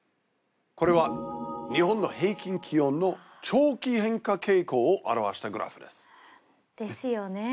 これは日本の平均気温の長期変化傾向を表したグラフですですよね